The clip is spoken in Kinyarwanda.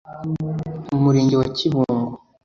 Umurenge wa Kibungo